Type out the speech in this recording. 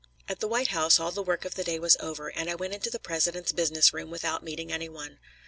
At the White House all the work of the day was over, and I went into the President's business room without meeting any one.